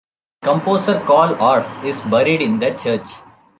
Composer Carl Orff is buried in the church.